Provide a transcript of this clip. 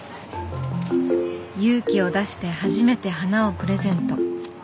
勇気を出して初めて花をプレゼント。